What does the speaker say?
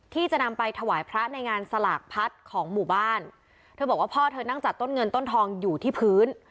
ที่จะนำไปถวายพระในงานสลากพัดของหมู่บ้านเธอบอกว่าพ่อเธอนั่งจัดต้นเงินต้นทองอยู่ที่พื้น